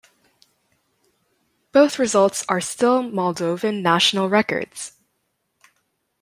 Both results are still Moldovan national records.